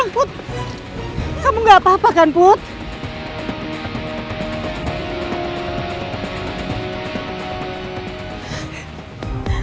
putri putri putri